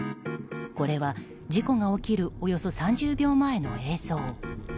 これは、事故が起きるおよそ３０秒前の映像。